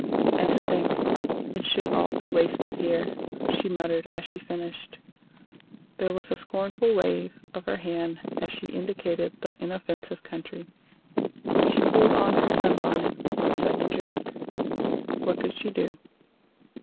"And to think it should all be wasted here!" she muttered as she finished. There was a scornful wave of her hand as she indicated the inoffensive country. She pulled on her sunbonnet with a sudden jerk. "What could she do?"